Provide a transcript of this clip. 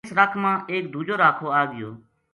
اس رکھ ما ایک دُوجو راکھو آ گیو